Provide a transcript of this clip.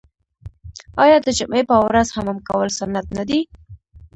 آیا د جمعې په ورځ حمام کول سنت نه دي؟